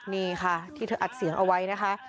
นี่ค่ะที่เธออัดเสียงเอาไว้นะคะ